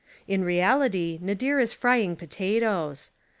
In reality Nadir is fry ing potatoes.